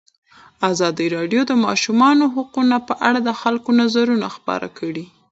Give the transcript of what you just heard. ازادي راډیو د د ماشومانو حقونه په اړه د خلکو نظرونه خپاره کړي.